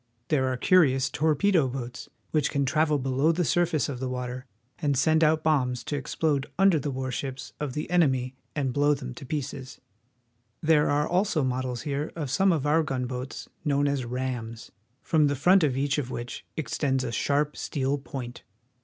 There are curious torpedo boats, which can travel below the surface of the water and send out bombs to explode under the war ships of the enemy and blow 38 WASHINGTON. /^ them to pieces. There are also models here of some of our gunboats known as rams, from the front of each of which extends a sharp steel point.